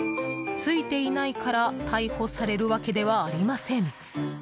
ついていないから逮捕されるわけではありません。